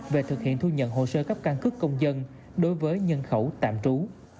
về thực hiện thu nhận hồ sơ cấp căn cước công dân đối với nhân khẩu tạm trú